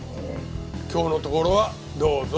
今日のところはどうぞ。